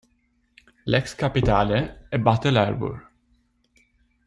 L'ex capitale è Battle Harbour.